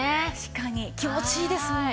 気持ちいいですもんね。